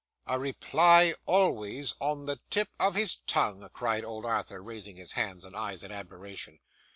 'A reply always on the tip of his tongue!' cried old Arthur, raising his hands and eyes in admiration.